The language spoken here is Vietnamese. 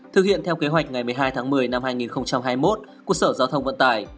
thực hiện theo kế hoạch ngày một mươi hai tháng một mươi năm hai nghìn hai mươi một của sở giao thông vận tải